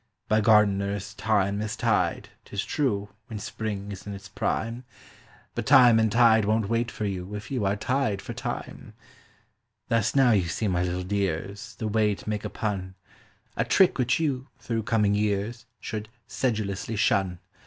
By gardeners thyme is tied, 'tis true, when spring is in its prime; But time and tide won't wait for you if you are tied for time. Thus now you see, my little dears, the way to make a pun; A trick which you, through coming years, should sedulously shun.